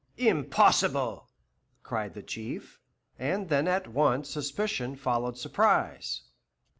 "Impossible!" cried the Chief, and then at once suspicion followed surprise.